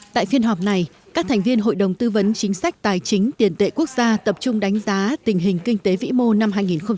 tại phiên họp này các thành viên hội đồng tư vấn chính sách tài chính tiền tệ quốc gia tập trung đánh giá tình hình kinh tế vĩ mô năm hai nghìn hai mươi